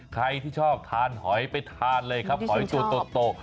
ใครที่ชอบทานหอยไปทานเลยหอยโต